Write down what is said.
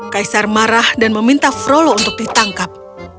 kaisar marah dan meminta frolo untuk ditangkap